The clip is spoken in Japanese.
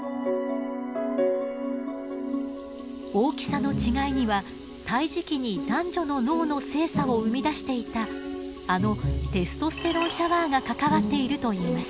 大きさの違いには胎児期に男女の脳の性差を生み出していたあのテストステロンシャワーが関わっているといいます。